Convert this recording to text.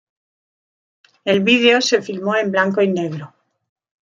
El vídeo se filmó en blanco y negro.